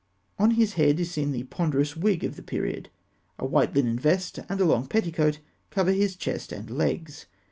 On his head is seen the ponderous wig of the period. A white linen vest and a long petticoat cover his chest and legs.